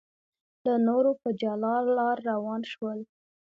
له نورو په جلا لار روان شول.